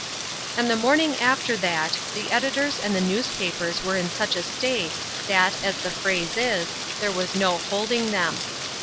And the morning after that, the editors and the newspapers were in such a state, that, as the phrase is, there was no holding them.